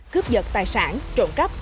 cướp dật tài sản trộn cắp